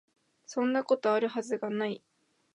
そんなこと、有る筈が無い